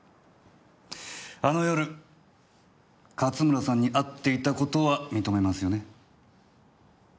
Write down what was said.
あの夜勝村さんに会っていた事は認めますよね？